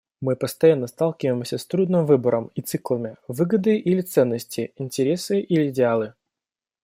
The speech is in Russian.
Мы постоянно сталкиваемся с трудным выбором и циклами: выгоды или ценности, интересы или идеалы.